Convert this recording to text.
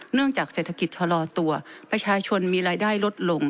จากเศรษฐกิจชะลอตัวประชาชนมีรายได้ลดลง